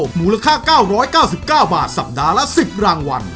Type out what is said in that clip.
มูลค่า๙๙๙บาทสัปดาห์ละ๑๐รางวัล